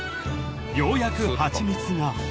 ようやくハチミツが］